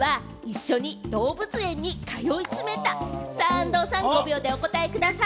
安藤さん、５秒でお答えください。